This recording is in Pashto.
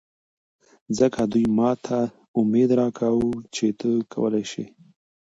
ځکه دوي ماته اميد راکوه چې ته کولې شې.